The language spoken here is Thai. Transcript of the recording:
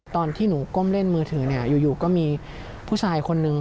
ตอนที่หนูก้มเล่นมือถือเนี่ยอยู่ก็มีผู้ชายคนนึง